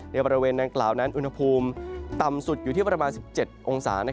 บริเวณดังกล่าวนั้นอุณหภูมิต่ำสุดอยู่ที่ประมาณ๑๗องศา